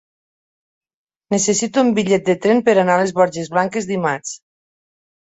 Necessito un bitllet de tren per anar a les Borges Blanques dimarts.